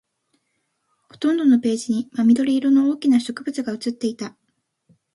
ほとんどのページに真緑色の大きな植物が写っていた